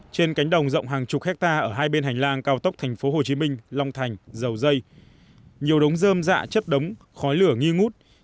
trên cánh đồng rộng hàng chục hectare ở hai bên hành lang cao tốc tp hcm long thành dầu dây nhiều đống dơm dạ chất đống khói lửa nghi ngút